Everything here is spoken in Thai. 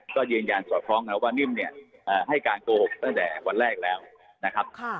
ก็ยืนยันสอดคล้องกันว่านิ่มเนี่ยให้การโกหกตั้งแต่วันแรกแล้วนะครับ